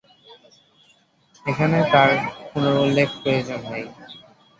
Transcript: এখানে তার পুনরুল্লেখ প্রয়োজন নেই।